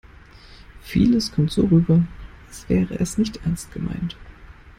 Vieles kommt so rüber, als wäre es nicht ernst gemeint.